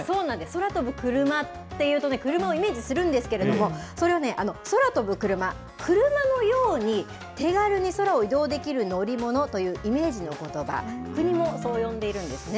空飛ぶクルマっていうとね、車をイメージするんですけれども、それは空飛ぶクルマ、車のように手軽に空を移動できる乗り物というイメージのことば、国もそう呼んでいるんですね。